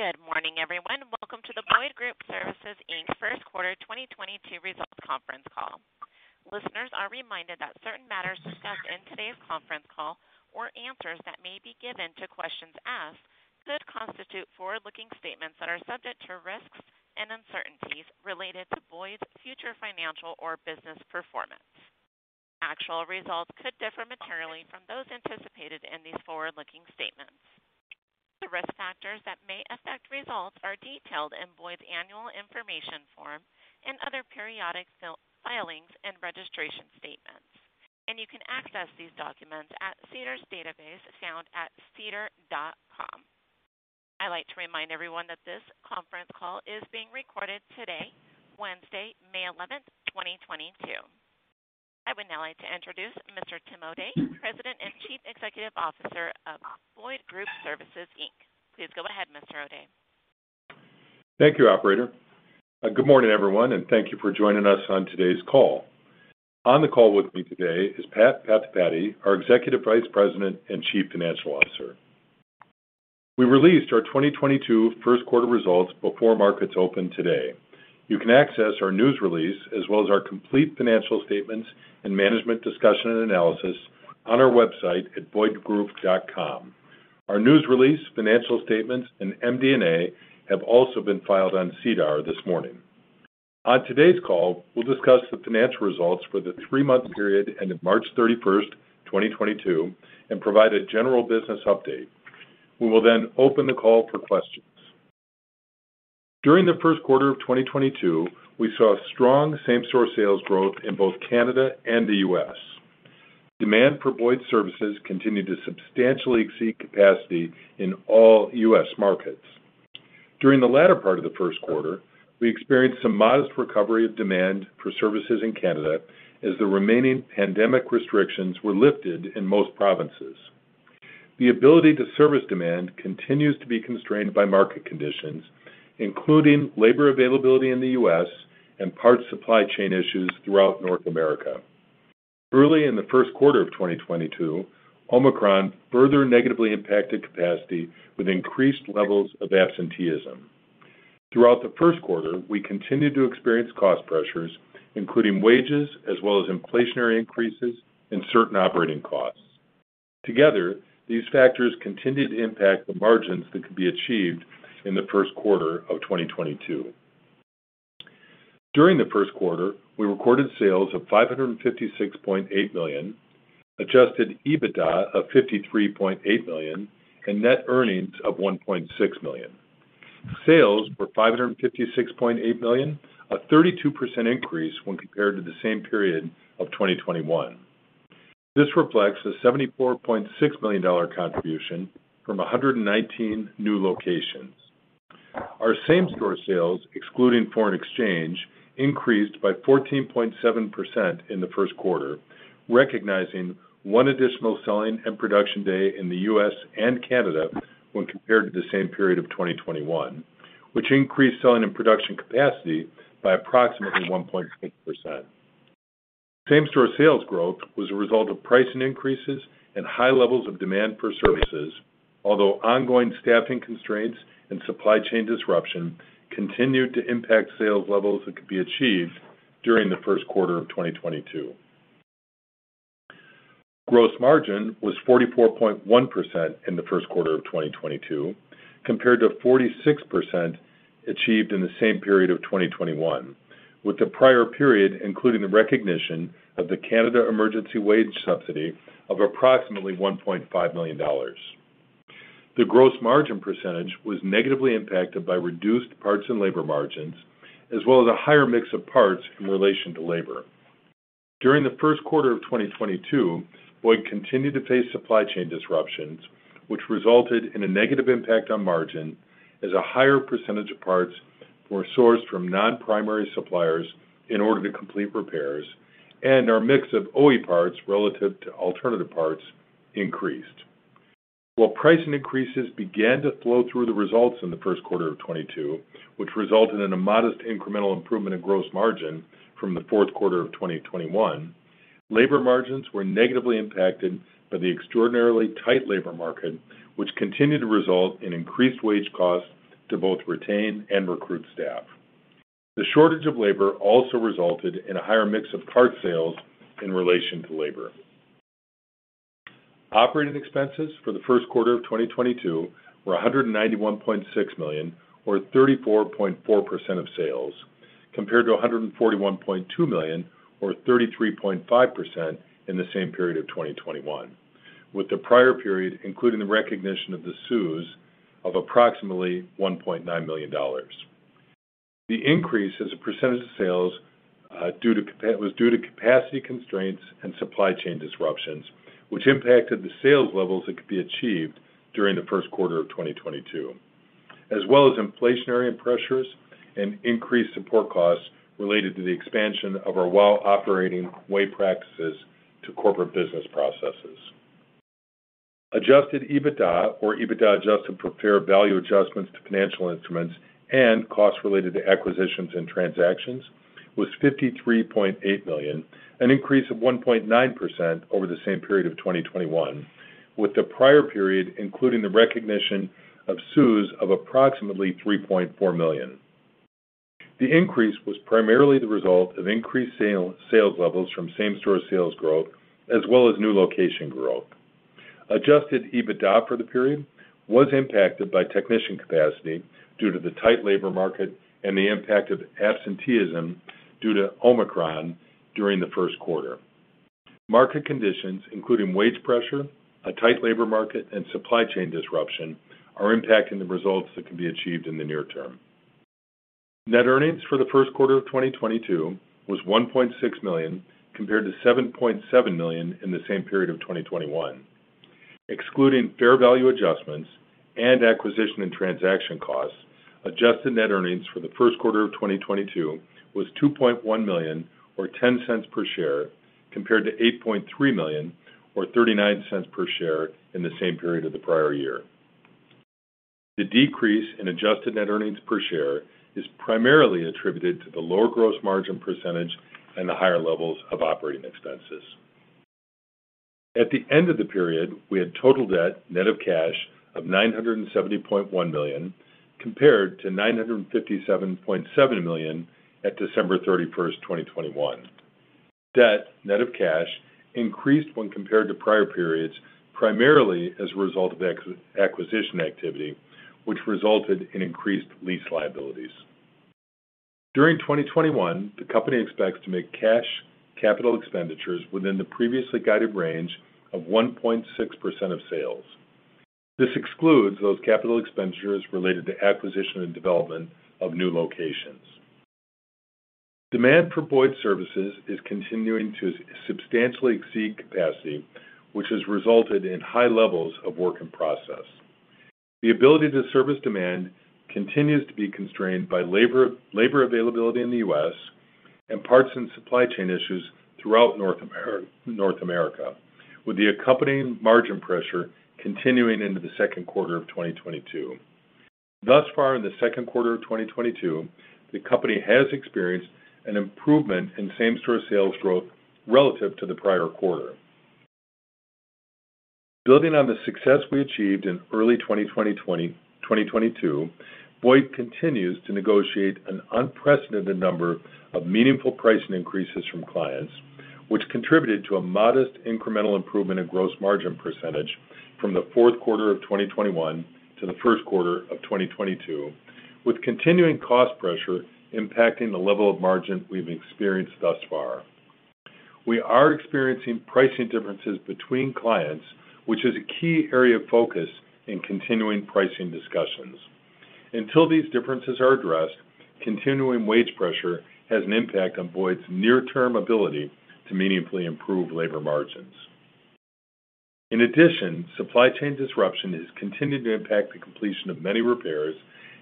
Good morning, everyone. Welcome to the Boyd Group Services Inc.'s Q1 2022 results conference call. Listeners are reminded that certain matters discussed in today's conference call or answers that may be given to questions asked could constitute forward-looking statements that are subject to risks and uncertainties related to Boyd's future financial or business performance. Actual results could differ materially from those anticipated in these forward-looking statements. The risk factors that may affect results are detailed in Boyd's annual information form and other periodic filings and registration statements. You can access these documents at SEDAR's database found at sedar.com. I'd like to remind everyone that this conference call is being recorded today, Wednesday, May 11, 2022. I would now like to introduce Mr. Tim O'Day, President and Chief Executive Officer of Boyd Group Services Inc. Please go ahead, Mr. O'Day. Thank you, operator. Good morning, everyone, and thank you for joining us on today's call. On the call with me today is Pat Pathipati, our Executive Vice President and Chief Financial Officer. We released our 2022 Q1 results before markets opened today. You can access our news release as well as our complete financial statements and management discussion and analysis on our website at boydgroup.com. Our news release, financial statements, and MD&A have also been filed on SEDAR this morning. On today's call, we'll discuss the financial results for the three-month period ending March 31, 2022, and provide a general business update. We will then open the call for questions. During the Q1 of 2022, we saw strong same-store sales growth in both Canada and the U.S. Demand for Boyd's services continued to substantially exceed capacity in all U.S. markets. During the latter part of the Q1, we experienced some modest recovery of demand for services in Canada as the remaining pandemic restrictions were lifted in most provinces. The ability to service demand continues to be constrained by market conditions, including labor availability in the U.S. and parts supply chain issues throughout North America. Early in the Q1 of 2022, Omicron further negatively impacted capacity with increased levels of absenteeism. Throughout the Q1, we continued to experience cost pressures, including wages as well as inflationary increases in certain operating costs. Together, these factors continued to impact the margins that could be achieved in the Q1 of 2022. During the Q1, we recorded sales of $556.8 million, adjusted EBITDA of $53.8 million, and net earnings of $1.6 million. Sales were $556.8 million, a 32% increase when compared to the same period of 2021. This reflects a $74.6 million contribution from 119 new locations. Our same-store sales, excluding foreign exchange, increased by 14.7% in the Q1, recognizing one additional selling and production day in the US and Canada when compared to the same period of 2021, which increased selling and production capacity by approximately 1.6%. Same-store sales growth was a result of pricing increases and high levels of demand for services. Although ongoing staffing constraints and supply chain disruption continued to impact sales levels that could be achieved during the Q1 of 2022. Gross margin was 44.1% in the Q1 of 2022 compared to 46% achieved in the same period of 2021, with the prior period including the recognition of the Canada Emergency Wage Subsidy of approximately $1.5 million. The gross margin percentage was negatively impacted by reduced parts and labor margins as well as a higher mix of parts in relation to labor. During the Q1 of 2022, Boyd continued to face supply chain disruptions, which resulted in a negative impact on margin as a higher percentage of parts were sourced from non-primary suppliers in order to complete repairs and our mix of OE parts relative to alternative parts increased. While pricing increases began to flow through the results in the Q1 of 2022, which resulted in a modest incremental improvement in gross margin from the Q4 of 2021, labor margins were negatively impacted by the extraordinarily tight labor market, which continued to result in increased wage costs to both retain and recruit staff. The shortage of labor also resulted in a higher mix of parts sales in relation to labor. Operating expenses for the Q1 of 2022 were $191.6 million or 34.4% of sales, compared to $141.2 million or 33.5% in the same period of 2021, with the prior period including the recognition of the CEWS of approximately $1.9 million. The increase as a percentage of sales was due to capacity constraints and supply chain disruptions, which impacted the sales levels that could be achieved during the Q1 of 2022, as well as inflationary pressures and increased support costs related to the expansion of our WOW Operating Way practices to corporate business processes. Adjusted EBITDA or EBITDA adjusted for fair value adjustments to financial instruments and costs related to acquisitions and transactions was $53.8 million, an increase of 1.9% over the same period of 2021, with the prior period including the recognition of CEWS of approximately $3.4 million. The increase was primarily the result of increased sales levels from same-store sales growth, as well as new location growth. Adjusted EBITDA for the period was impacted by technician capacity due to the tight labor market and the impact of absenteeism due to Omicron during the Q1. Market conditions, including wage pressure, a tight labor market, and supply chain disruption, are impacting the results that can be achieved in the near term. Net earnings for the Q1 of 2022 was $1.6 million, compared to $7.7 million in the same period of 2021. Excluding fair value adjustments and acquisition and transaction costs, adjusted net earnings for the Q1 of 2022 was $2.1 million or $0.10 per share, compared to $8.3 million or $0.39 per share in the same period of the prior year. The decrease in adjusted net earnings per share is primarily attributed to the lower gross margin percentage and the higher levels of operating expenses. At the end of the period, we had total debt net of cash of $970.1 million, compared to $957.7 million at December 31, 2021. Debt net of cash increased when compared to prior periods, primarily as a result of acquisition activity, which resulted in increased lease liabilities. During 2021, the company expects to make cash capital expenditures within the previously guided range of 1.6% of sales. This excludes those capital expenditures related to acquisition and development of new locations. Demand for Boyd services is continuing to substantially exceed capacity, which has resulted in high levels of work in process. The ability to service demand continues to be constrained by labor availability in the US and parts and supply chain issues throughout North America, with the accompanying margin pressure continuing into the Q2 of 2022. Thus far in the Q2 of 2022, the company has experienced an improvement in same-store sales growth relative to the prior quarter. Building on the success we achieved in early 2022, Boyd continues to negotiate an unprecedented number of meaningful pricing increases from clients, which contributed to a modest incremental improvement in gross margin percentage from the Q4 of 2021 to the Q1 of 2022, with continuing cost pressure impacting the level of margin we've experienced thus far. We are experiencing pricing differences between clients, which is a key area of focus in continuing pricing discussions. Until these differences are addressed, continuing wage pressure has an impact on Boyd's near-term ability to meaningfully improve labor margins. In addition, supply chain disruption has continued to impact the completion of many repairs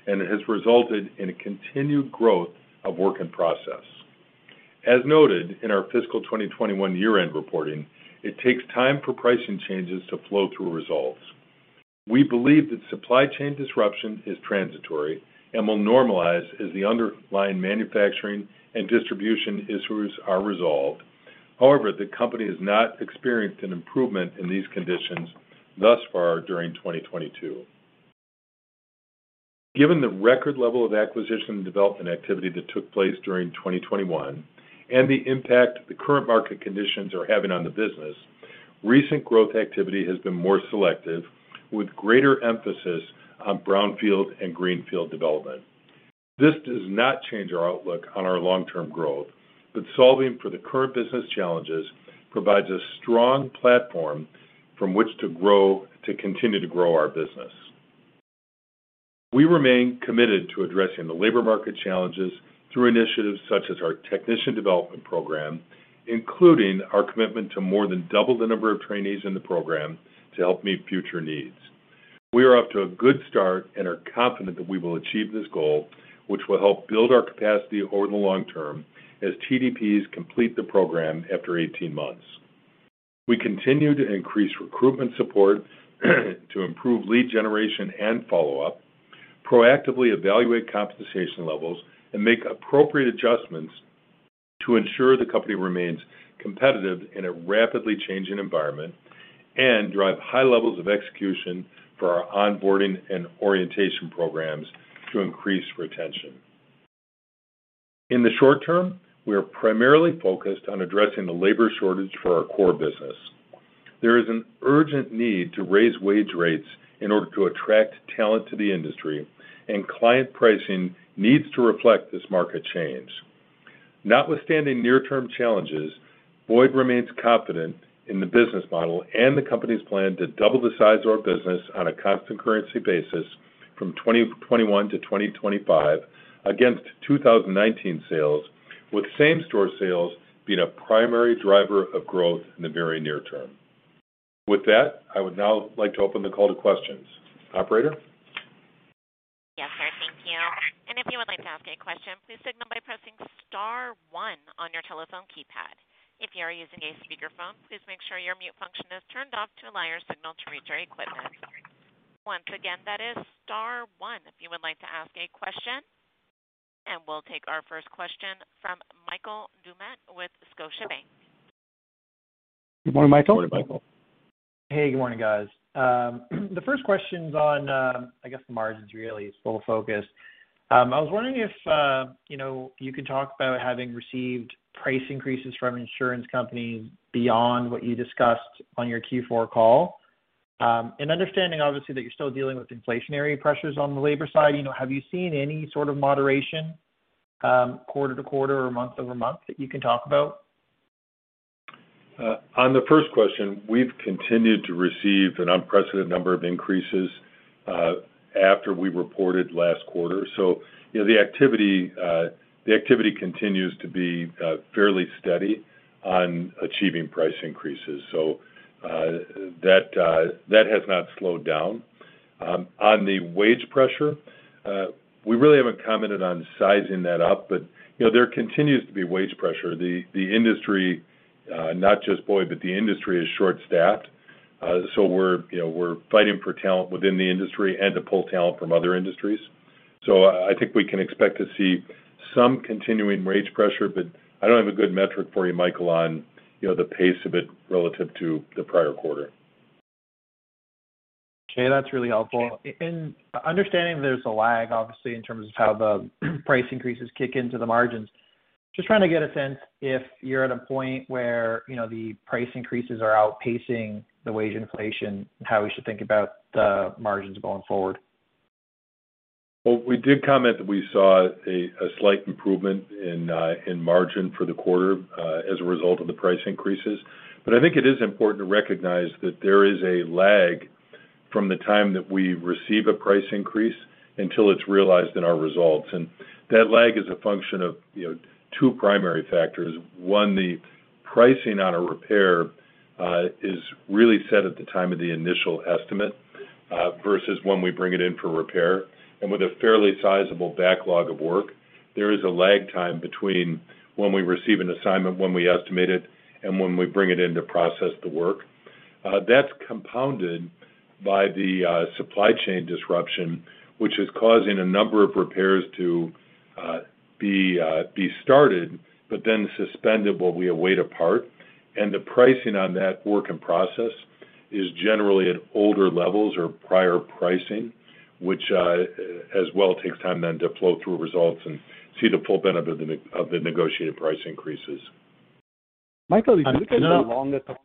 and has resulted in a continued growth of work in process. As noted in our fiscal 2021 year-end reporting, it takes time for pricing changes to flow through results. We believe that supply chain disruption is transitory and will normalize as the underlying manufacturing and distribution issues are resolved. However, the company has not experienced an improvement in these conditions thus far during 2022. Given the record level of acquisition and development activity that took place during 2021 and the impact the current market conditions are having on the business, recent growth activity has been more selective, with greater emphasis on brownfield and greenfield development. This does not change our outlook on our long-term growth, but solving for the current business challenges provides a strong platform from which to grow, to continue to grow our business. We remain committed to addressing the labor market challenges through initiatives such as our Technician Development Program, including our commitment to more than double the number of trainees in the program to help meet future needs. We are off to a good start and are confident that we will achieve this goal, which will help build our capacity over the long term as TDPs complete the program after 18 months. We continue to increase recruitment support to improve lead generation and follow-up, proactively evaluate compensation levels, and make appropriate adjustments to ensure the company remains competitive in a rapidly changing environment and drive high levels of execution for our onboarding and orientation programs to increase retention. In the short term, we are primarily focused on addressing the labor shortage for our core business. There is an urgent need to raise wage rates in order to attract talent to the industry, and client pricing needs to reflect this market change. Notwithstanding near-term challenges, Boyd remains confident in the business model and the company's plan to double the size of our business on a constant currency basis from 2021 to 2025 against 2019 sales, with same-store sales being a primary driver of growth in the very near term. With that, I would now like to open the call to questions. Operator? Yes, sir. Thank you. If you would like to ask a question, please signal by pressing star one on your telephone keypad. If you are using a speakerphone, please make sure your mute function is turned off to allow your signal to reach our equipment. Again, that is star one if you would like to ask a question. We'll take our first question from Michael Doumet with Scotiabank. Good morning, Michael. Good morning, Michael. Hey, good morning, guys. The first question's on, I guess, the margins really is full focus. I was wondering if, you know, you could talk about having received price increases from insurance companies beyond what you discussed on your Q4 call. Understanding obviously that you're still dealing with inflationary pressures on the labor side, you know, have you seen any sort of moderation, quarter-to-quarter or month-over-month that you can talk about? On the first question, we've continued to receive an unprecedented number of increases after we reported last quarter. You know, the activity continues to be fairly steady on achieving price increases. That has not slowed down. On the wage pressure, we really haven't commented on sizing that up, but you know, there continues to be wage pressure. The industry, not just Boyd, but the industry is short-staffed. We're you know, we're fighting for talent within the industry and to pull talent from other industries. I think we can expect to see some continuing wage pressure, but I don't have a good metric for you, Michael, on you know, the pace of it relative to the prior quarter. Okay. That's really helpful. And understanding there's a lag, obviously, in terms of how the price increases kick into the margins, just trying to get a sense if you're at a point where, you know, the price increases are outpacing the wage inflation and how we should think about the margins going forward. Well, we did comment that we saw a slight improvement in margin for the quarter as a result of the price increases. I think it is important to recognize that there is a lag from the time that we receive a price increase until it's realized in our results. That lag is a function of, you know, two primary factors. One, the pricing on a repair is really set at the time of the initial estimate versus when we bring it in for repair. With a fairly sizable backlog of work, there is a lag time between when we receive an assignment, when we estimate it, and when we bring it in to process the work. That's compounded by the supply chain disruption, which is causing a number of repairs to be started, but then suspended while we await a part. The pricing on that work in process is generally at older levels or prior pricing, which as well takes time then to flow through results and see the full benefit of the negotiated price increases. Michael, if you look at the longer term,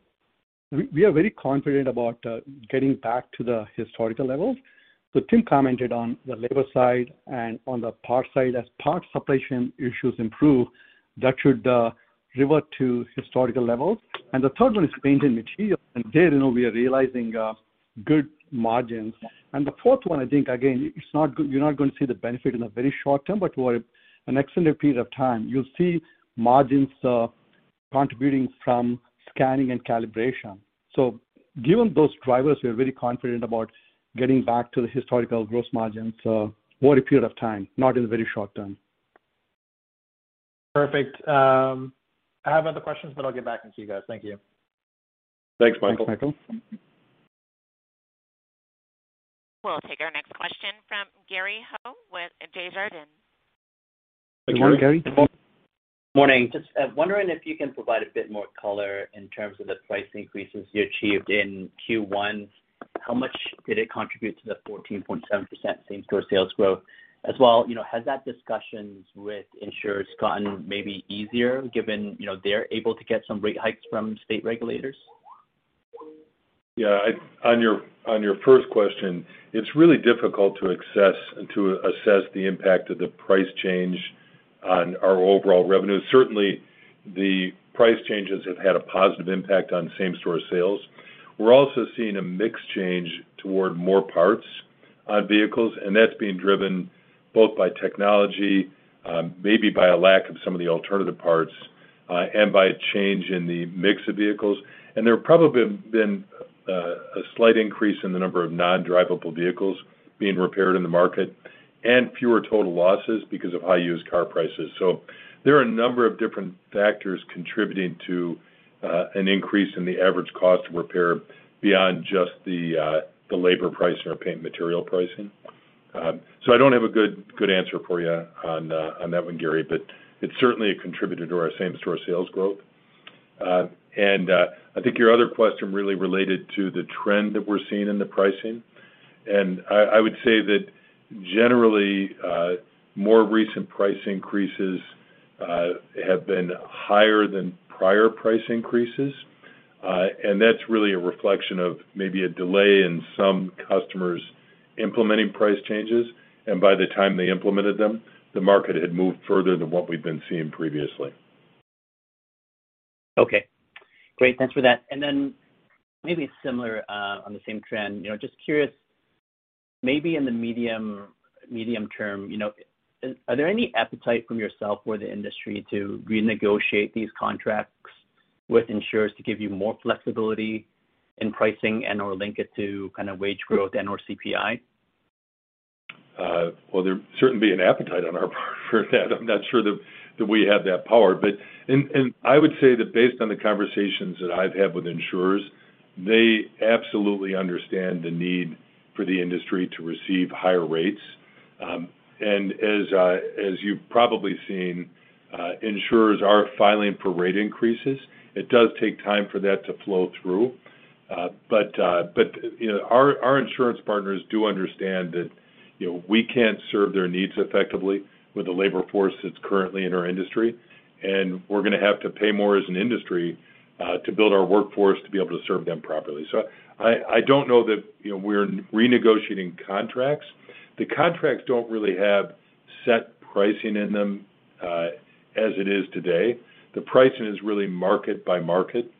we are very confident about getting back to the historical levels. Tim commented on the labor side and on the parts side. As parts supply chain issues improve, that should revert to historical levels. The third one is paint and material, and there, you know, we are realizing good margins. The fourth one, I think, again, you're not gonna see the benefit in the very short term, but over an extended period of time, you'll see margins contributing from scanning and calibration. Given those drivers, we're very confident about getting back to the historical gross margins over a period of time, not in the very short term. Perfect. I have other questions, but I'll get back to you guys. Thank you. Thanks, Michael. Thanks, Michael. We'll take our next question from Gary Ho with Desjardins. Good morning, Gary. Good morning. Just wondering if you can provide a bit more color in terms of the price increases you achieved in Q1. How much did it contribute to the 14.7% same-store sales growth? As well, you know, has those discussions with insurers gotten maybe easier given, you know, they're able to get some rate hikes from state regulators? Yeah. On your first question, it's really difficult to assess the impact of the price change on our overall revenue. Certainly, the price changes have had a positive impact on same-store sales. We're also seeing a mix change toward more parts on vehicles, and that's being driven both by technology, maybe by a lack of some of the alternative parts, and by a change in the mix of vehicles. There have probably been a slight increase in the number of non-drivable vehicles being repaired in the market and fewer total losses because of high used car prices. There are a number of different factors contributing to an increase in the average cost to repair beyond just the labor price or paint material pricing. I don't have a good answer for you on that one, Gary, but it's certainly a contributor to our same-store sales growth. I think your other question really related to the trend that we're seeing in the pricing. I would say that generally, more recent price increases have been higher than prior price increases. That's really a reflection of maybe a delay in some customers implementing price changes. By the time they implemented them, the market had moved further than what we've been seeing previously. Okay, great. Thanks for that. Maybe similar, on the same trend, you know, just curious, maybe in the medium term, you know, are there any appetite from yourself or the industry to renegotiate these contracts with insurers to give you more flexibility in pricing and/or link it to kind of wage growth and/or CPI? Well, there'd certainly be an appetite on our part for that. I'm not sure that we have that power. I would say that based on the conversations that I've had with insurers, they absolutely understand the need for the industry to receive higher rates. As you've probably seen, insurers are filing for rate increases. It does take time for that to flow through. You know, our insurance partners do understand that, you know, we can't serve their needs effectively with the labor force that's currently in our industry, and we're gonna have to pay more as an industry to build our workforce to be able to serve them properly. I don't know that, you know, we're renegotiating contracts. The contracts don't really have set pricing in them as it is today. The pricing is really market by market.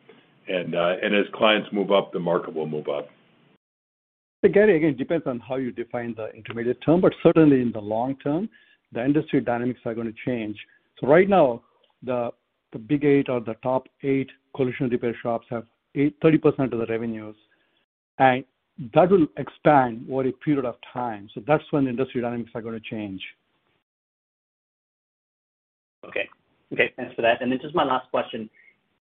As clients move up, the market will move up. Again, it depends on how you define the intermediate term, but certainly in the long term, the industry dynamics are gonna change. Right now, the big eight or the top eight collision repair shops have 30% of the revenues. That will expand over a period of time. That's when industry dynamics are gonna change. Okay. Thanks for that. This is my last question.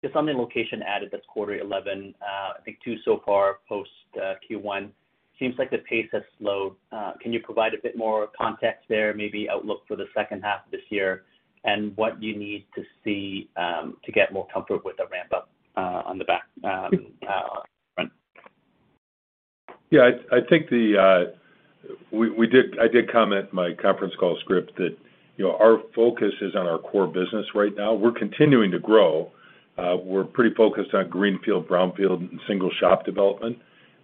Just on the locations added this quarter, 11. I think two so far post-Q1. Seems like the pace has slowed. Can you provide a bit more context there, maybe outlook for the second half of this year, and what you need to see to get more comfort with the ramp up on the back end? I think we did comment in my conference call script that, you know, our focus is on our core business right now. We're continuing to grow. We're pretty focused on greenfield, brownfield, and single shop development.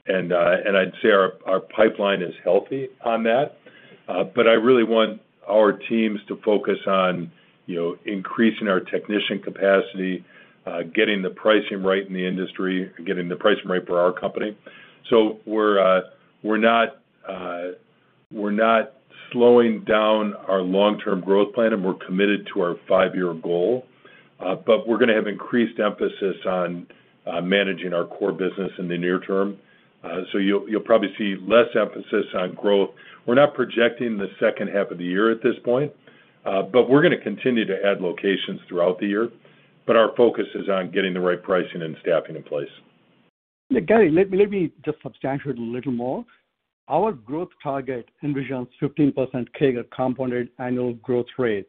I'd say our pipeline is healthy on that. I really want our teams to focus on, you know, increasing our technician capacity, getting the pricing right in the industry, getting the pricing right for our company. We're not slowing down our long-term growth plan, and we're committed to our five-year goal, but we're gonna have increased emphasis on managing our core business in the near term. You'll probably see less emphasis on growth. We're not projecting the second half of the year at this point, but we're gonna continue to add locations throughout the year. Our focus is on getting the right pricing and staffing in place. Yeah, Gary, let me just substantiate a little more. Our growth target envisions 15% CAGR, compounded annual growth rate.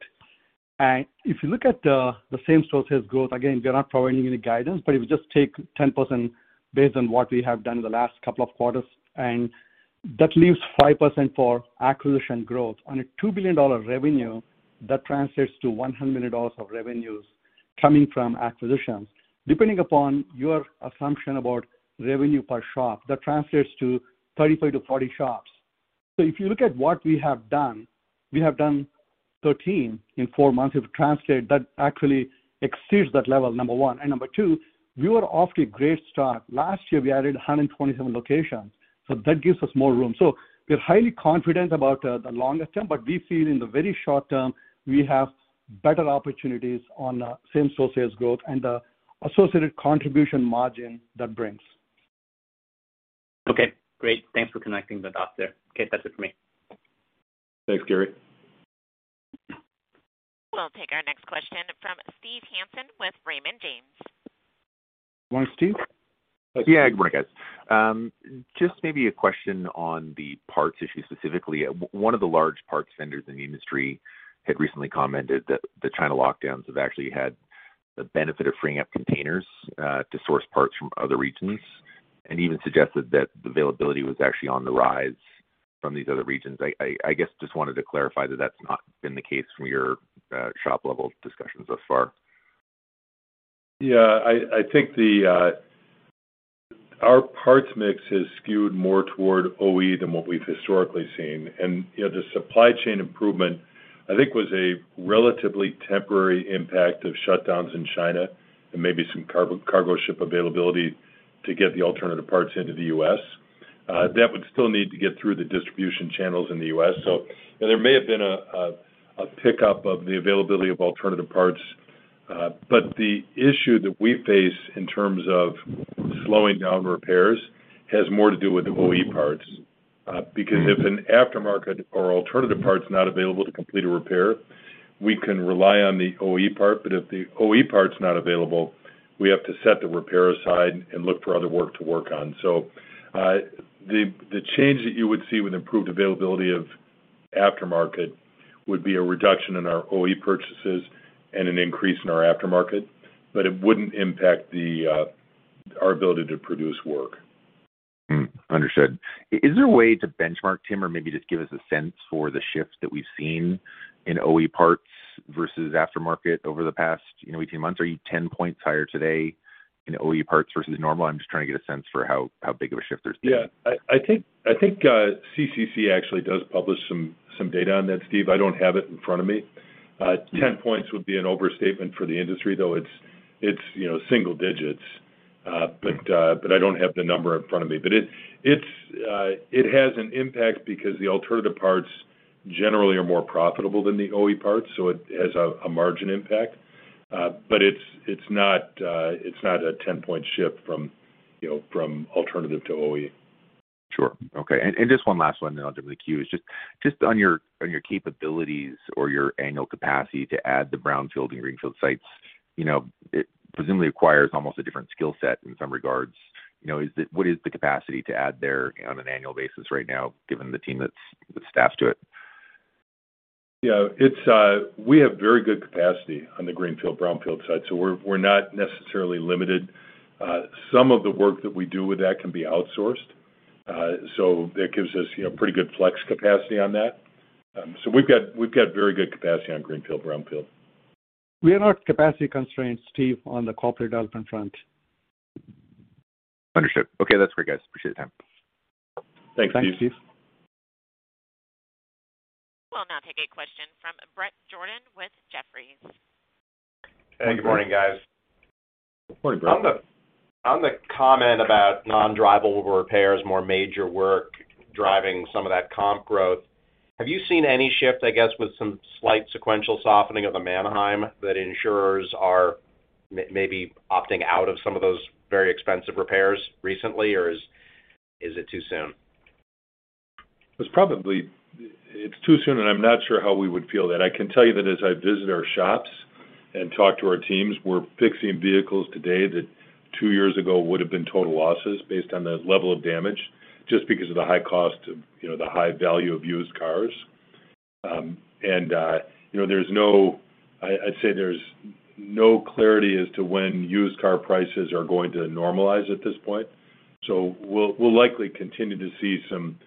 If you look at the same-store sales growth, again, we are not providing any guidance, but if you just take 10% based on what we have done in the last couple of quarters, and that leaves 5% for acquisition growth. On a $2 billion revenue, that translates to $100 million of revenues coming from acquisitions. Depending upon your assumption about revenue per shop, that translates to 33-40 shops. If you look at what we have done, we have done 13 in four months. If you translate, that actually exceeds that level, number one. Number two, we are off to a great start. Last year, we added 127 locations, so that gives us more room. We're highly confident about the longer term, but we feel in the very short term, we have better opportunities on same-store sales growth and the associated contribution margin that brings. Okay, great. Thanks for connecting the dots there. Okay, that's it for me. Thanks, Gary. We'll take our next question from Steve Hansen with Raymond James. Go on, Steve. Yeah, good morning, guys. Just maybe a question on the parts issue specifically. One of the large parts vendors in the industry had recently commented that the China lockdowns have actually had the benefit of freeing up containers to source parts from other regions, and even suggested that the availability was actually on the rise from these other regions. I guess just wanted to clarify that that's not been the case from your shop level discussions thus far. Yeah, I think our parts mix has skewed more toward OE than what we've historically seen. You know, the supply chain improvement, I think, was a relatively temporary impact of shutdowns in China and maybe some cargo ship availability to get the alternative parts into the US. That would still need to get through the distribution channels in the US. There may have been a pickup of the availability of alternative parts. The issue that we face in terms of slowing down repairs has more to do with the OE parts. Because if an aftermarket or alternative part's not available to complete a repair, we can rely on the OE part. If the OE part's not available, we have to set the repair aside and look for other work on. The change that you would see with improved availability of aftermarket would be a reduction in our OE purchases and an increase in our aftermarket, but it wouldn't impact our ability to produce work. Understood. Is there a way to benchmark, Tim, or maybe just give us a sense for the shift that we've seen in OE parts versus aftermarket over the past, you know, 18 months? Are you 10 points higher today in OE parts versus normal? I'm just trying to get a sense for how big of a shift there's been. Yeah. I think CCC actually does publish some data on that, Steve. I don't have it in front of me. Yeah. 10 points would be an overstatement for the industry, though. It's you know, single digits. I don't have the number in front of me. It has an impact because the alternative parts generally are more profitable than the OE parts, so it has a margin impact. It's not a 10-point shift from, you know, from alternative to OE. Sure. Okay. Just one last one then I'll jump in the queue. It's just on your capabilities or your annual capacity to add the brownfield and greenfield sites. You know, it presumably requires almost a different skill set in some regards. You know, is it, what is the capacity to add there on an annual basis right now, given the team that's staffed to it? Yeah, we have very good capacity on the greenfield/brownfield side, so we're not necessarily limited. Some of the work that we do with that can be outsourced. That gives us, you know, pretty good flex capacity on that. We've got very good capacity on greenfield/brownfield. We are not capacity constrained, Steve, on the corporate development front. Understood. Okay, that's great, guys. Appreciate the time. Thanks, Steve. Thanks, Steve. We'll now take a question from Bret Jordan with Jefferies. Hey, good morning, guys. Good morning, Bret. On the comment about non-drivable repairs, more major work driving some of that comp growth, have you seen any shift, I guess, with some slight sequential softening of the Manheim that insurers are maybe opting out of some of those very expensive repairs recently, or is it too soon? It's too soon, and I'm not sure how we would feel that. I can tell you that as I visit our shops and talk to our teams, we're fixing vehicles today that two years ago would have been total losses based on the level of damage, just because of the high cost of, you know, the high value of used cars. I'd say there's no clarity as to when used car prices are going to normalize at this point. We'll likely continue to see some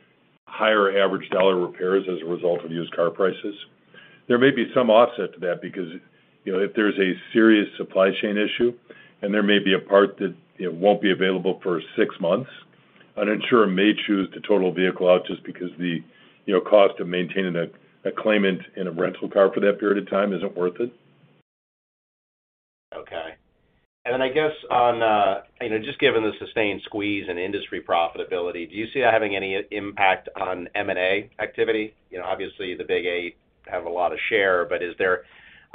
higher average dollar repairs as a result of used car prices. There may be some offset to that because, you know, if there's a serious supply chain issue and there may be a part that, you know, won't be available for six months, an insurer may choose to total vehicle out just because the, you know, cost of maintaining a claimant in a rental car for that period of time isn't worth it. Okay. I guess on, you know, just given the sustained squeeze in industry profitability, do you see that having any impact on M&A activity? You know, obviously, the Big Eight have a lot of share, but is there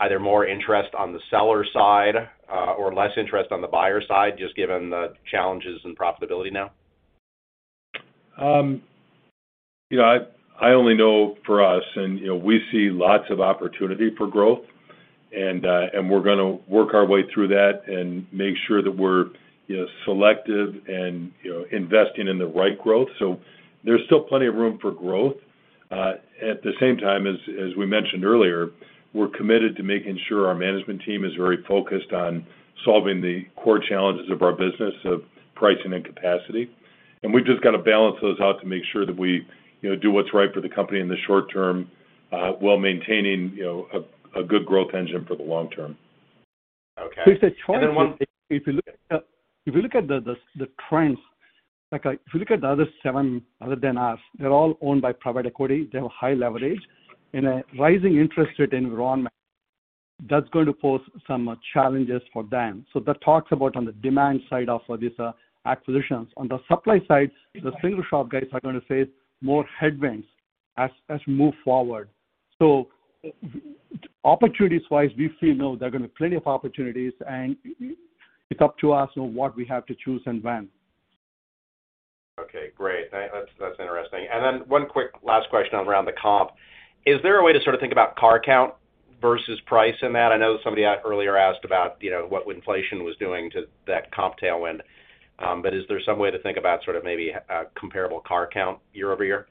either more interest on the seller side, or less interest on the buyer side, just given the challenges in profitability now? I only know for us and, you know, we see lots of opportunity for growth. We're gonna work our way through that and make sure that we're, you know, selective and, you know, investing in the right growth. There's still plenty of room for growth. At the same time, as we mentioned earlier, we're committed to making sure our management team is very focused on solving the core challenges of our business of pricing and capacity. We've just got to balance those out to make sure that we, you know, do what's right for the company in the short term, while maintaining, you know, a good growth engine for the long term. Okay. If you look at the trends, like if you look at the other seven other than us, they're all owned by private equity. They have high leverage. In a rising interest rate environment, that's going to pose some challenges for them. That talks about on the demand side of these acquisitions. On the supply side, the single shop guys are gonna face more headwinds as we move forward. Opportunities wise, we feel there are gonna be plenty of opportunities, and it's up to us on what we have to choose and when. Okay, great. That's, that's interesting. One quick last question around the comp. Is there a way to sort of think about car count versus price in that? I know somebody earlier asked about, you know, what inflation was doing to that comp tailwind. Is there some way to think about sort of maybe a comparable car count year-over-year?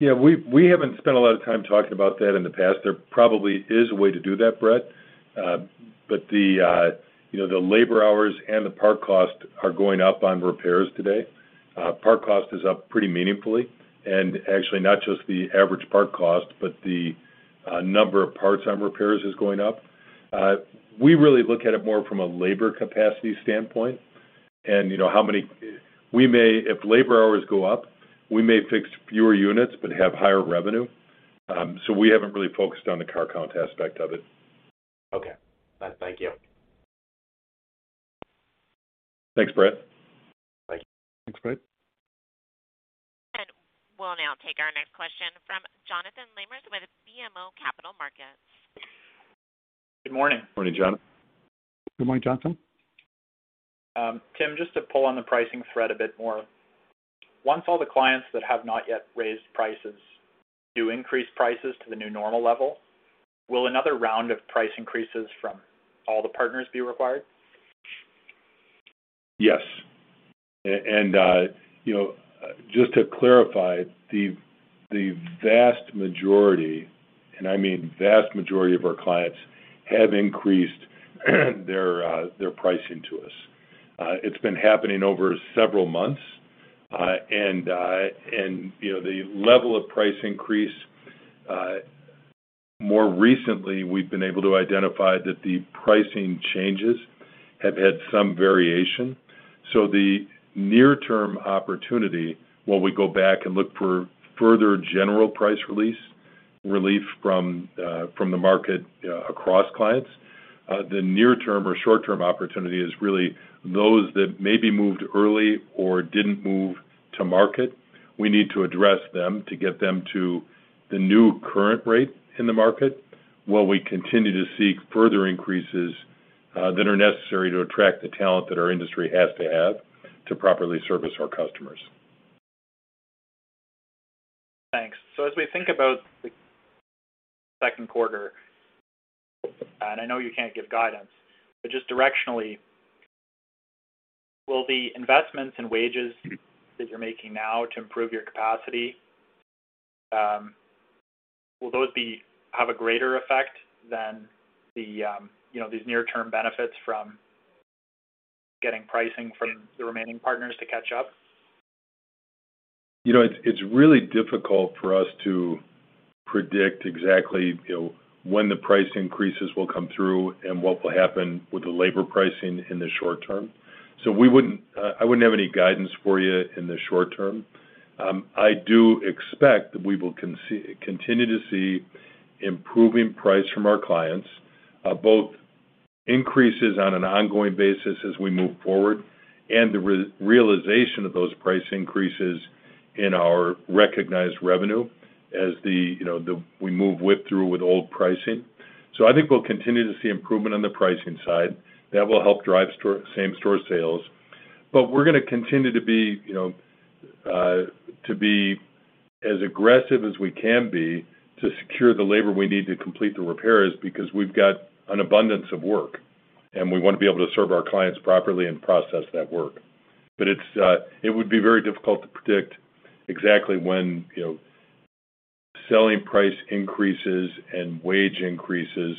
Yeah, we haven't spent a lot of time talking about that in the past. There probably is a way to do that, Brett. The labor hours and the part cost are going up on repairs today. Part cost is up pretty meaningfully. Actually not just the average part cost, but the number of parts on repairs is going up. We really look at it more from a labor capacity standpoint. You know, if labor hours go up, we may fix fewer units but have higher revenue. We haven't really focused on the car count aspect of it. Okay. Thank you. Thanks, Bret. Thank you. Thanks, Bret. We'll now take our next question from Jonathan Lamers with BMO Capital Markets. Good morning. Morning, Jonathan. Good morning, Jonathan. Tim, just to pull on the pricing thread a bit more. Once all the clients that have not yet raised prices do increase prices to the new normal level, will another round of price increases from all the partners be required? Yes. You know, just to clarify, the vast majority, and I mean vast majority of our clients have increased their pricing to us. It's been happening over several months. You know, the level of price increase, more recently, we've been able to identify that the pricing changes have had some variation. The near term opportunity, while we go back and look for further general price relief from the market across clients, the near term or short-term opportunity is really those that maybe moved early or didn't move to market. We need to address them to get them to the new current rate in the market. We continue to seek further increases that are necessary to attract the talent that our industry has to have to properly service our customers. Thanks. As we think about the Q2, and I know you can't give guidance, but just directionally, will the investments in wages that you're making now to improve your capacity, will those have a greater effect than the, you know, these near-term benefits from getting pricing from the remaining partners to catch up? You know, it's really difficult for us to predict exactly, you know, when the price increases will come through and what will happen with the labor pricing in the short term. We wouldn't, I wouldn't have any guidance for you in the short term. I do expect that we will continue to see improving price from our clients, both increases on an ongoing basis as we move forward and the realization of those price increases in our recognized revenue as we move WIP through with old pricing. I think we'll continue to see improvement on the pricing side. That will help drive same-store sales. We're gonna continue to be, you know, as aggressive as we can be to secure the labor we need to complete the repairs because we've got an abundance of work, and we wanna be able to serve our clients properly and process that work. It would be very difficult to predict exactly when, you know, selling price increases and wage increases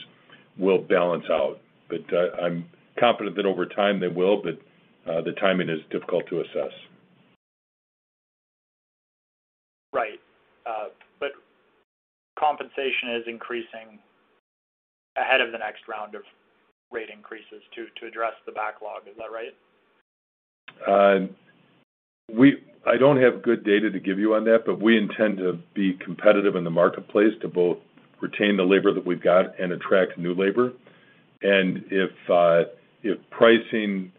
will balance out. I'm confident that over time they will, but the timing is difficult to assess. Right. Compensation is increasing ahead of the next round of rate increases to address the backlog. Is that right? I don't have good data to give you on that, but we intend to be competitive in the marketplace to both retain the labor that we've got and attract new labor. If pricing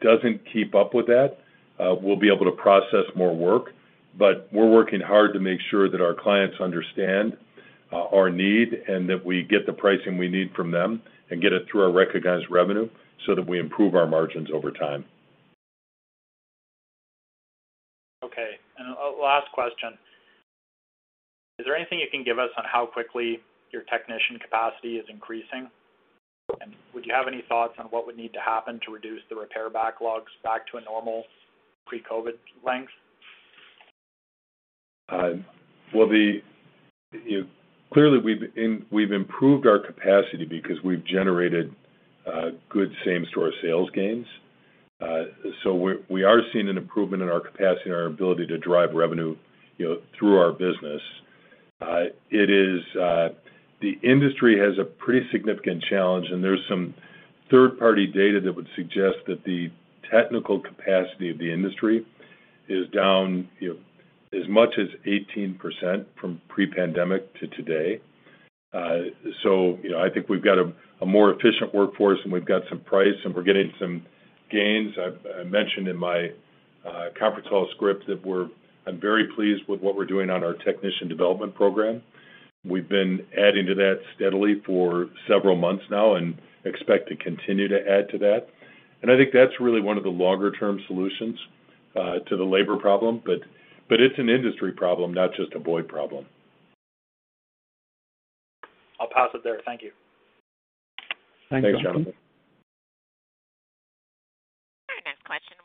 doesn't keep up with that, we'll be able to process more work. We're working hard to make sure that our clients understand our need and that we get the pricing we need from them and get it through our recognized revenue so that we improve our margins over time. Okay. A last question. Is there anything you can give us on how quickly your technician capacity is increasing? Would you have any thoughts on what would need to happen to reduce the repair backlogs back to a normal pre-COVID length? Well, you know, clearly, we've improved our capacity because we've generated good same-store sales gains. We are seeing an improvement in our capacity and our ability to drive revenue, you know, through our business. It is. The industry has a pretty significant challenge, and there's some third-party data that would suggest that the technical capacity of the industry is down, you know, as much as 18% from pre-pandemic to today. You know, I think we've got a more efficient workforce, and we've got some price, and we're getting some gains. I mentioned in my conference call script that I'm very pleased with what we're doing on our Technician Development Program. We've been adding to that steadily for several months now and expect to continue to add to that. I think that's really one of the longer term solutions to the labor problem. It's an industry problem, not just a Boyd problem. I'll pass it there. Thank you. Thanks, Jonathan.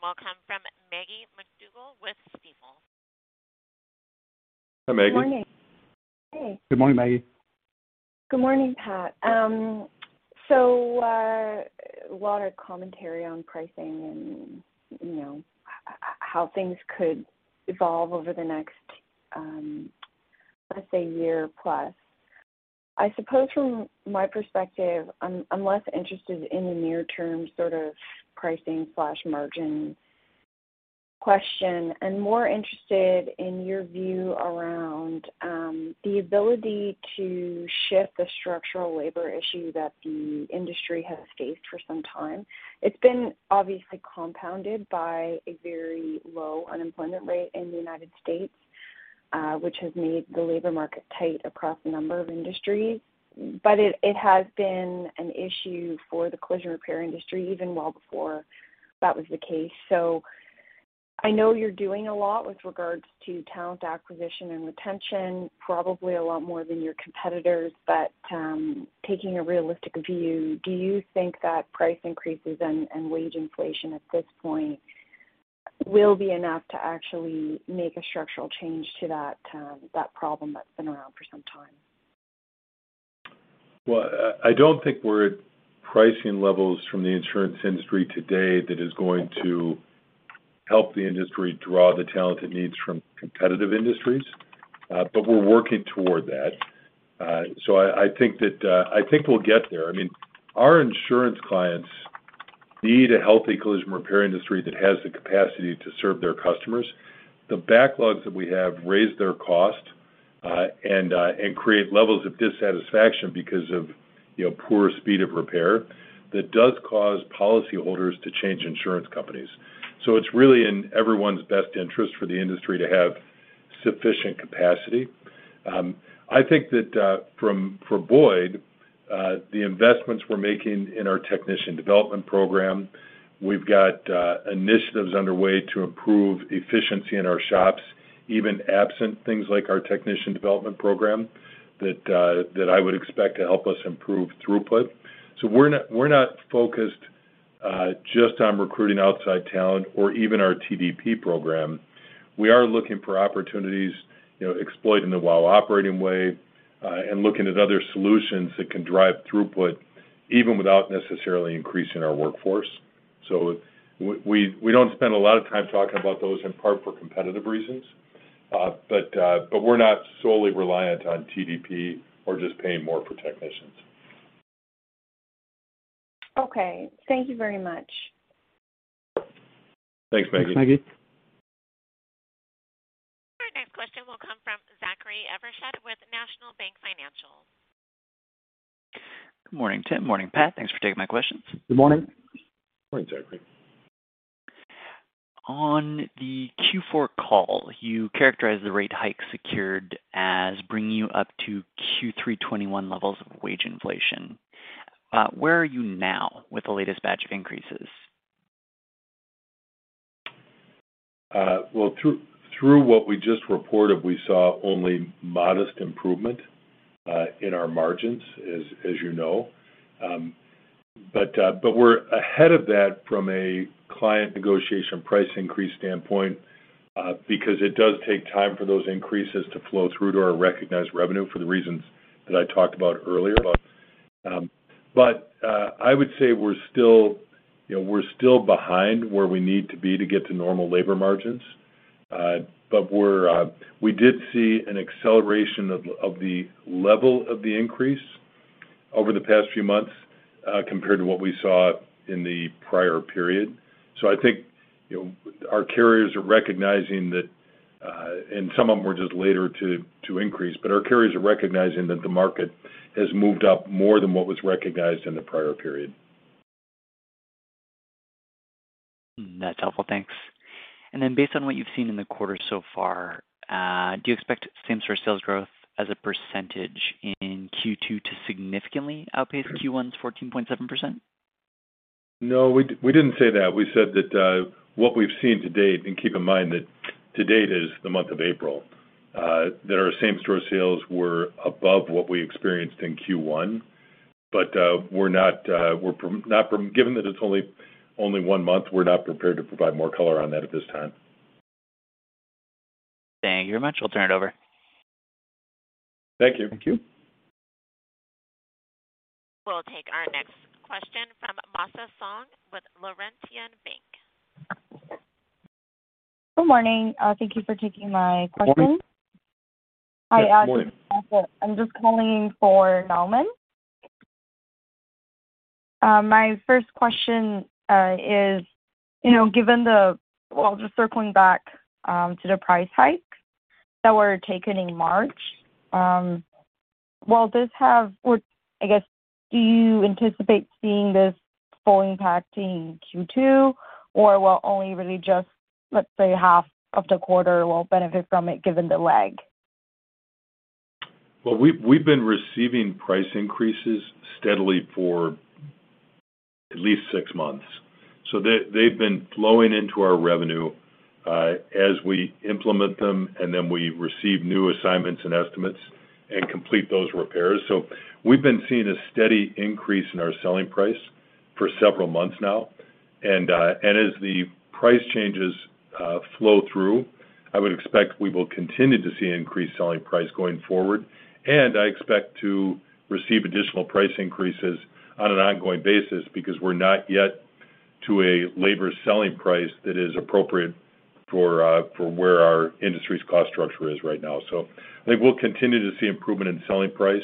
Our next question will come from Maggie MacDougall with Stifel. Hi, Maggie. Good morning. Hey. Good morning, Maggie. Good morning, Pat. A lot of commentary on pricing and, you know, how things could evolve over the next, let's say year plus. I suppose from my perspective, I'm less interested in the near-term sort of pricing/margin question and more interested in your view around the ability to shift the structural labor issue that the industry has faced for some time. It's been obviously compounded by a very low unemployment rate in the United States, which has made the labor market tight across a number of industries. It has been an issue for the collision repair industry even well before that was the case. I know you're doing a lot with regards to talent acquisition and retention, probably a lot more than your competitors. Taking a realistic view, do you think that price increases and wage inflation at this point will be enough to actually make a structural change to that problem that's been around for some time? I don't think we're at pricing levels from the insurance industry today that is going to help the industry draw the talent it needs from competitive industries, but we're working toward that. I think we'll get there. I mean, our insurance clients need a healthy collision repair industry that has the capacity to serve their customers. The backlogs that we have raise their cost, and create levels of dissatisfaction because of, you know, poor speed of repair that does cause policyholders to change insurance companies. It's really in everyone's best interest for the industry to have sufficient capacity. I think that for Boyd, the investments we're making in our Technician Development Program, we've got initiatives underway to improve efficiency in our shops, even absent things like our Technician Development Program that I would expect to help us improve throughput. We're not focused just on recruiting outside talent or even our TDP program. We are looking for opportunities, you know, exploiting the WOW Operating Way, and looking at other solutions that can drive throughput even without necessarily increasing our workforce. We don't spend a lot of time talking about those in part for competitive reasons. We're not solely reliant on TDP or just paying more for technicians. Okay. Thank you very much. Thanks, Maggie. Thanks, Maggie. Our next question will come from Zachary Evershed with National Bank Financial. Good morning, Tim. Morning, Pat. Thanks for taking my questions. Good morning. Morning, Zachary. On the Q4 call, you characterized the rate hike secured as bringing you up to Q3 2021 levels of wage inflation. Where are you now with the latest batch of increases? Well, through what we just reported, we saw only modest improvement in our margins as you know. We're ahead of that from a client negotiation price increase standpoint, because it does take time for those increases to flow through to our recognized revenue for the reasons that I talked about earlier. I would say we're still, you know, we're still behind where we need to be to get to normal labor margins. We did see an acceleration of the level of the increase over the past few months, compared to what we saw in the prior period. I think, you know, our carriers are recognizing that, and some of them were just later to increase, but our carriers are recognizing that the market has moved up more than what was recognized in the prior period. That's helpful. Thanks. Then based on what you've seen in the quarter so far, do you expect same-store sales growth as a percentage in Q2 to significantly outpace Q1's 14.7%? No, we didn't say that. We said that what we've seen to date, and keep in mind that to date is the month of April, that our same-store sales were above what we experienced in Q1. Given that it's only one month, we're not prepared to provide more color on that at this time. Thank you very much. I'll turn it over. Thank you. Thank you. We'll take our next question from Masa Song with Laurentian Bank. Good morning. Thank you for taking my question. Morning. Hi. Yeah. Good morning. I'm just calling for Narendra. My first question is, you know, well, just circling back to the price hikes that were taken in March, will this have or I guess do you anticipate seeing this full impact in Q2, or will only really just, let's say, half of the quarter will benefit from it given the lag? Well, we've been receiving price increases steadily for at least six months. They've been flowing into our revenue as we implement them, and then we receive new assignments and estimates and complete those repairs. We've been seeing a steady increase in our selling price for several months now. As the price changes flow through, I would expect we will continue to see increased selling price going forward. I expect to receive additional price increases on an ongoing basis because we're not yet to a labor selling price that is appropriate for where our industry's cost structure is right now. I think we'll continue to see improvement in selling price,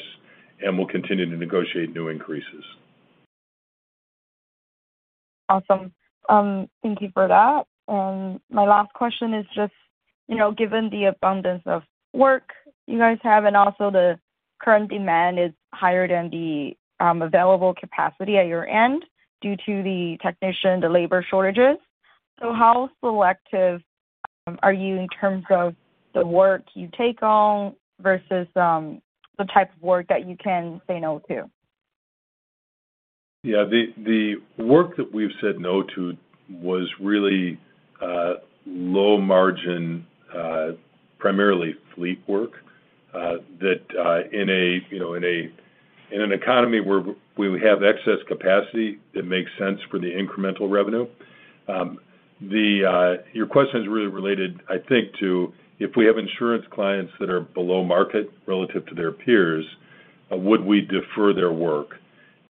and we'll continue to negotiate new increases. Awesome. Thank you for that. My last question is just, you know, given the abundance of work you guys have and also the current demand is higher than the available capacity at your end due to the technician, the labor shortages. How selective are you in terms of the work you take on versus the type of work that you can say no to? Yeah. The work that we've said no to was really low margin, primarily fleet work, that in an economy where we have excess capacity, it makes sense for the incremental revenue. Your question is really related, I think, to if we have insurance clients that are below market relative to their peers, would we defer their work?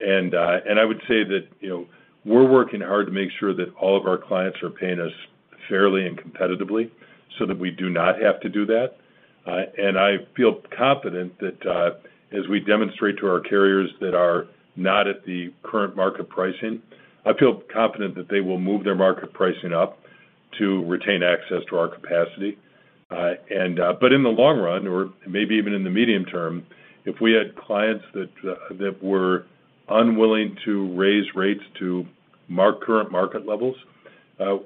I would say that, you know, we're working hard to make sure that all of our clients are paying us fairly and competitively so that we do not have to do that. I feel confident that as we demonstrate to our carriers that are not at the current market pricing, I feel confident that they will move their market pricing up to retain access to our capacity. In the long run, or maybe even in the medium term, if we had clients that were unwilling to raise rates to mark current market levels,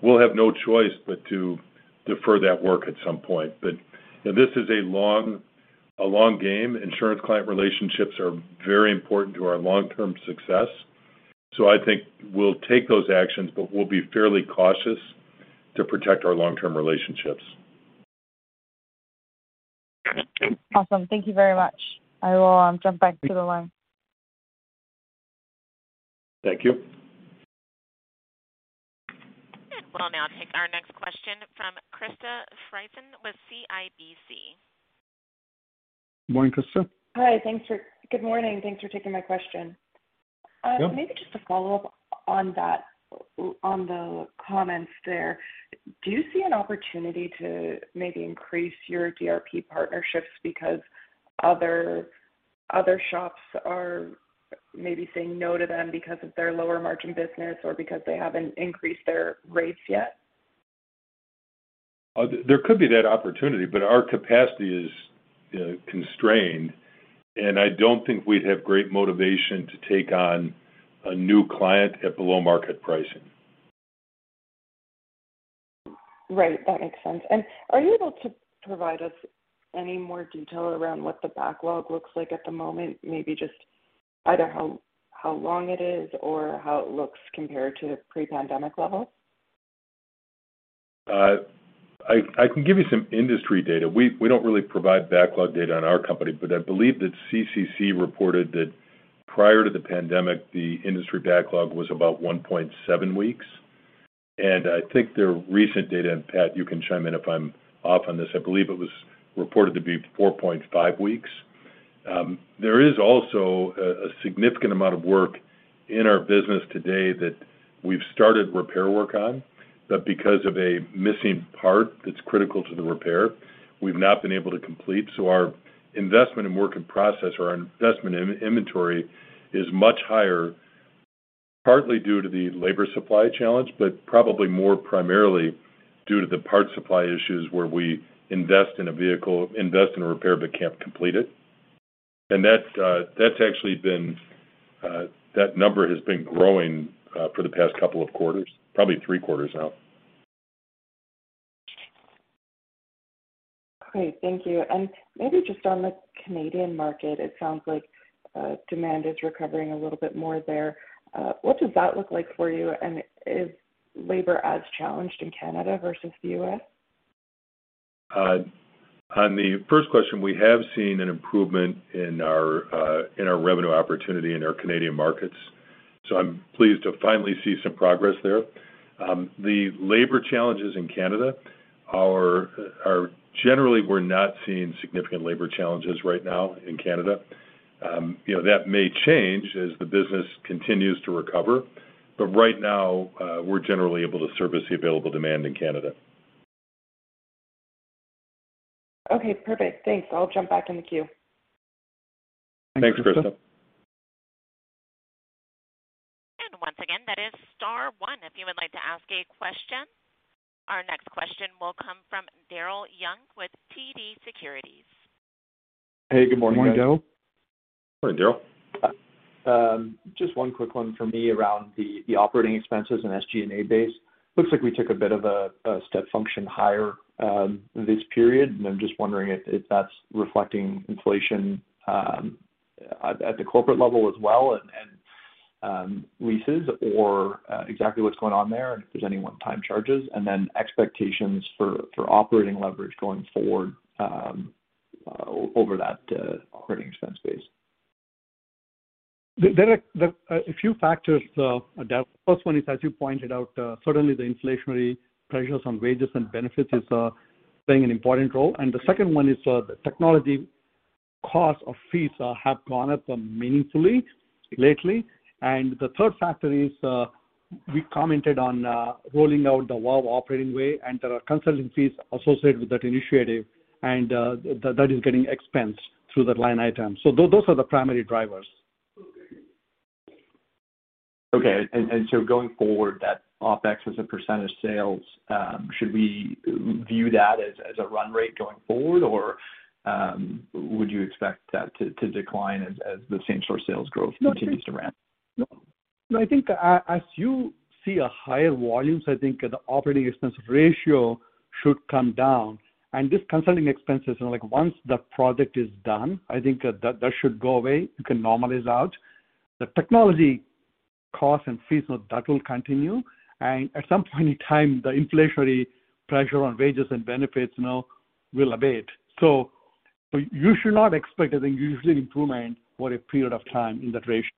we'll have no choice but to defer that work at some point. This is a long game. Insurance client relationships are very important to our long-term success. I think we'll take those actions, but we'll be fairly cautious to protect our long-term relationships. Awesome. Thank you very much. I will, jump back to the line. Thank you. We'll now take our next question from Krista Friesen with CIBC. Good morning, Krista. Hi. Good morning. Thanks for taking my question. Sure. Maybe just a follow-up on that, on the comments there. Do you see an opportunity to maybe increase your DRP partnerships because other shops are maybe saying no to them because of their lower margin business or because they haven't increased their rates yet? There could be that opportunity, but our capacity is constrained, and I don't think we'd have great motivation to take on a new client at below market pricing. Right. That makes sense. Are you able to provide us any more detail around what the backlog looks like at the moment? Maybe just either how long it is or how it looks compared to pre-pandemic levels. I can give you some industry data. We don't really provide backlog data on our company, but I believe that CCC reported that prior to the pandemic, the industry backlog was about 1.7 weeks. I think their recent data, and Pat, you can chime in if I'm off on this, I believe it was reported to be 4.5 weeks. There is also a significant amount of work in our business today that we've started repair work on, but because of a missing part that's critical to the repair, we've not been able to complete. Our investment in work in process or our investment in inventory is much higher, partly due to the labor supply challenge, but probably more primarily due to the parts supply issues where we invest in a vehicle, invest in a repair, but can't complete it. That number has actually been growing for the past couple of quarters, probably three quarters now. Great. Thank you. Maybe just on the Canadian market, it sounds like, demand is recovering a little bit more there. What does that look like for you? Is labor as challenged in Canada versus the U.S.? On the first question, we have seen an improvement in our revenue opportunity in our Canadian markets. I'm pleased to finally see some progress there. The labor challenges in Canada are generally. We're not seeing significant labor challenges right now in Canada. You know, that may change as the business continues to recover, but right now, we're generally able to service the available demand in Canada. Okay, perfect. Thanks. I'll jump back in the queue. Thanks, Krista. Once again, that is star one if you would like to ask a question. Our next question will come from Daryl Young with TD Securities. Hey, good morning, guys. Good morning, Daryl. Just one quick one for me around the operating expenses and SG&A base. Looks like we took a bit of a step function higher this period. I'm just wondering if that's reflecting inflation at the corporate level as well and leases or exactly what's going on there and if there's any one-time charges. Then expectations for operating leverage going forward over that operating expense base. There are a few factors there. First one is, as you pointed out, certainly the inflationary pressures on wages and benefits is playing an important role. The second one is the technology costs and fees have gone up meaningfully lately. The third factor is we commented on rolling out the WOW Operating Way, and there are consulting fees associated with that initiative, and that is getting expensed through that line item. Those are the primary drivers. Okay, going forward, that OpEx as a percentage of sales, should we view that as a run rate going forward? Or, would you expect that to decline as the same-store sales growth continues to ramp? No, I think as you see a higher volume, so I think the operating expense ratio should come down. These consulting expenses, like once the project is done, I think that should go away. It can normalize out. The technology costs and fees, that will continue. At some point in time, the inflationary pressure on wages and benefits now will abate. You should not expect a huge improvement for a period of time in that ratio.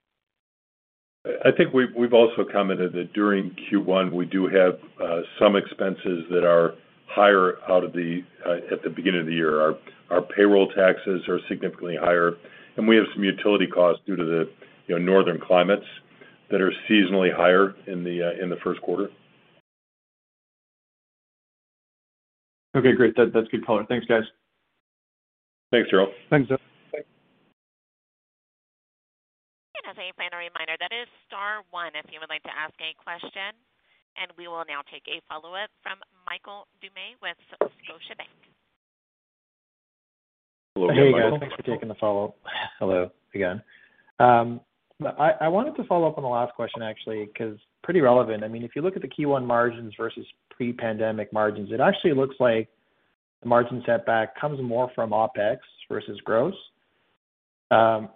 I think we've also commented that during Q1, we do have some expenses that are higher out of the gate at the beginning of the year. Our payroll taxes are significantly higher, and we have some utility costs due to the, you know, northern climates that are seasonally higher in the Q1. Okay, great. That's good color. Thanks, guys. Thanks, Daryl. Thanks. Star one if you would like to ask any question. We will now take a follow-up from Michael Doumet with Scotiabank. Hey, guys. Thanks for taking the follow-up. Hello again. I wanted to follow up on the last question, actually, 'cause pretty relevant. I mean, if you look at the Q1 margins versus pre-pandemic margins, it actually looks like the margin setback comes more from OpEx versus gross. I'm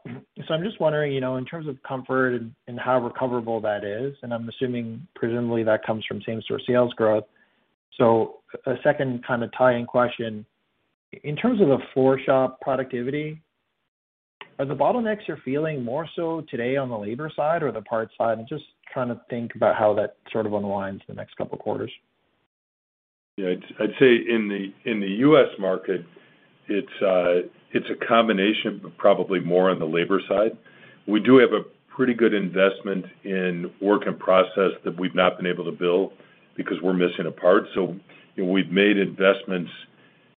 just wondering, you know, in terms of comfort and how recoverable that is, and I'm assuming presumably that comes from same-store sales growth. A second kinda tie-in question. In terms of the four-shop productivity, are the bottlenecks you're feeling more so today on the labor side or the parts side? I'm just trying to think about how that sort of unwinds the next couple quarters. Yeah. I'd say in the U.S. market, it's a combination, but probably more on the labor side. We do have a pretty good investment in work in process that we've not been able to bill because we're missing a part. You know, we've made investments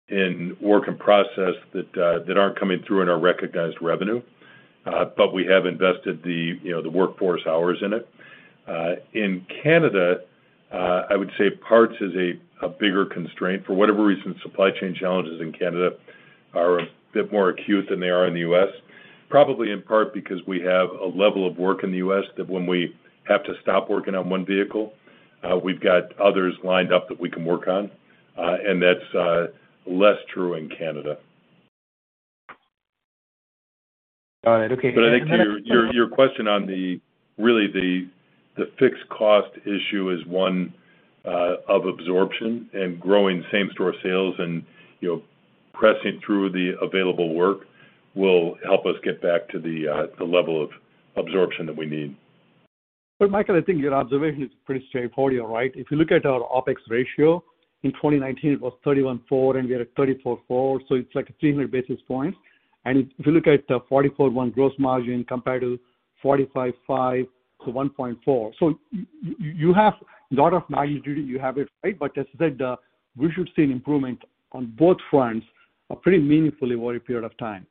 in work in process that aren't coming through in our recognized revenue, but we have invested, you know, the workforce hours in it. In Canada, I would say parts is a bigger constraint. For whatever reason, supply chain challenges in Canada are a bit more acute than they are in the US, probably in part because we have a level of work in the US that when we have to stop working on one vehicle, we've got others lined up that we can work on, and that's less true in Canada. Got it. Okay. I think your question on really the fixed cost issue is one of absorption and growing same-store sales and, you know, pressing through the available work will help us get back to the level of absorption that we need. Michael, I think your observation is pretty straightforward, you're right. If you look at our OpEx ratio, in 2019 it was 31.4%, and we are at 34.4%, so it's like a 300 basis points. If you look at the 44.1% gross margin compared to 45.5%, so 1.4%. So you have a lot of margin. You have it, right? As I said, we should see an improvement on both fronts, pretty meaningfully over a period of time.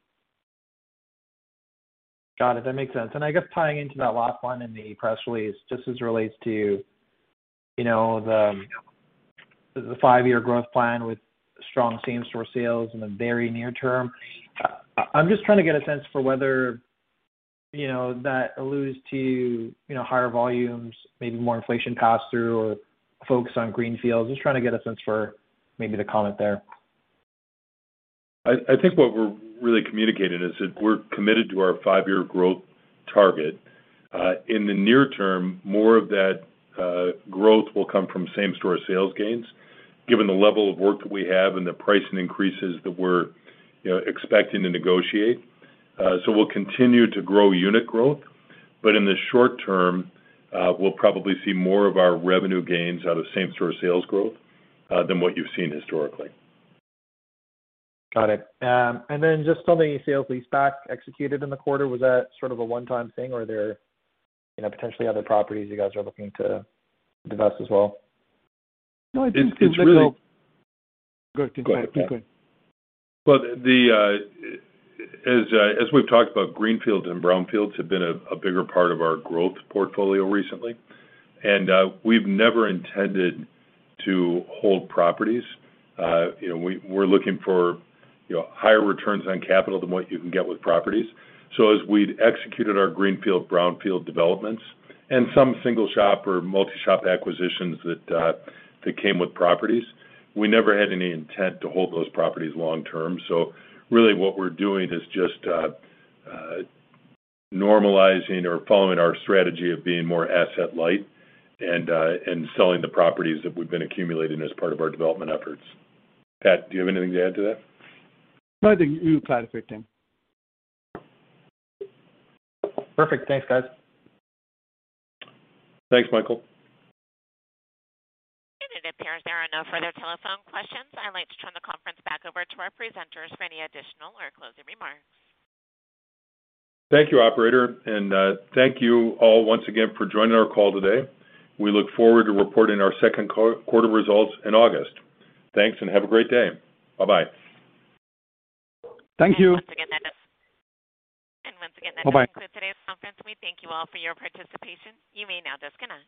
Got it. That makes sense. I guess tying into that last one in the press release, just as it relates to, you know, the five-year growth plan with strong same-store sales in the very near term, I'm just trying to get a sense for whether, you know, that alludes to, you know, higher volumes, maybe more inflation pass-through or focus on greenfields. Just trying to get a sense for maybe the comment there. I think what we're really communicating is that we're committed to our five-year growth target. In the near term, more of that growth will come from same-store sales gains, given the level of work that we have and the pricing increases that we're, you know, expecting to negotiate. We'll continue to grow unit growth, but in the short term, we'll probably see more of our revenue gains out of same-store sales growth than what you've seen historically. Got it. Just on the sale-leaseback executed in the quarter, was that sort of a one-time thing or are there, you know, potentially other properties you guys are looking to divest as well? No, I think. It's really. Go ahead. You go ahead. Go ahead, Pat. As we've talked about, greenfields and brownfields have been a bigger part of our growth portfolio recently, and we've never intended to hold properties. You know, we're looking for you know higher returns on capital than what you can get with properties. As we'd executed our greenfield/brownfield developments and some single-shop or multi-shop acquisitions that came with properties, we never had any intent to hold those properties long term. Really what we're doing is just normalizing or following our strategy of being more asset light and selling the properties that we've been accumulating as part of our development efforts. Pat, do you have anything to add to that? No, I think you clarified it, Tim. Perfect. Thanks, guys. Thanks, Michael. It appears there are no further telephone questions. I'd like to turn the conference back over to our presenters for any additional or closing remarks. Thank you, operator. Thank you all once again for joining our call today. We look forward to reporting our Q2 results in August. Thanks, and have a great day. Bye-bye. Thank you. Once again, that does. Bye-bye. Once again, that does conclude today's conference. We thank you all for your participation. You may now disconnect.